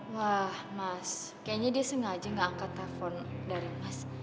wah mas kayaknya dia sengaja gak angkat telepon dari mas